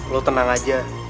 lo tenang aja